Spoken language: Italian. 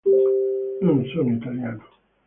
Non sono italiano.